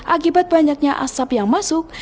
akibat banyaknya asap yang masuk